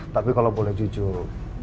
tapi kalau boleh jujur